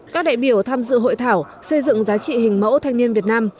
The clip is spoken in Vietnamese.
các đại biểu tham dự hội thảo xây dựng giá trị hình mẫu thanh niên việt nam